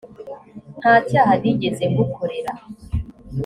nta cyaha nigeze ngukorera